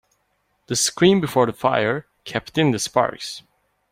The screen before the fire kept in the sparks.